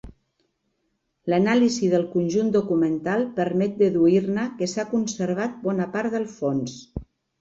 L’anàlisi del conjunt documental permet deduir-ne que s’ha conservat bona part del fons.